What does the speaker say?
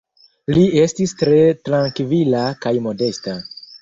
Li estis tre trankvila kaj modesta.